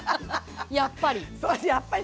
やっぱり。